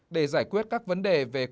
để giải quyết các vấn đề về quyền lực lượng